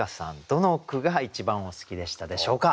どの句が一番お好きでしたでしょうか？